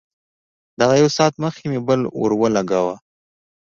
دغه يو ساعت مخکې مې بل ورولګاوه.